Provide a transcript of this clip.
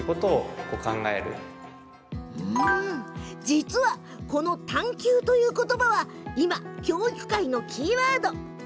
実はこの探究ということばは今、教育界のキーワード。